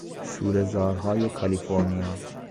شورهزارهای کالیفرنیا